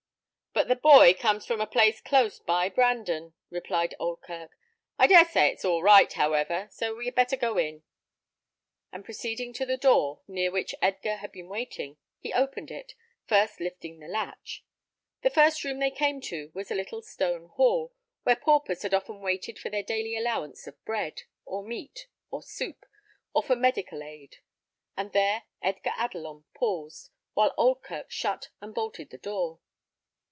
"But the boy comes from a place close by Brandon," replied Oldkirk. "I dare say it is all right, however, so we had better go in;" and proceeding to the door, near which Edgar had been waiting, he opened it, first lifting the latch. The first room they came to was a little stone hall, where paupers had often waited for their daily allowance of bread, or meat, or soup, or for medical aid; and there Edgar Adelon paused, while Oldkirk shut and bolted the door.